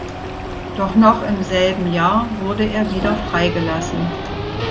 Doch noch im selben Jahr wurde er wieder freigelassen.